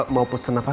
mau pesan apa